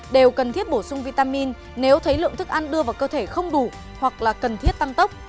đều cần thiết bổ sung vitamin nếu thấy lượng thức ăn đưa vào cơ thể không đủ hoặc là cần thiết tăng tốc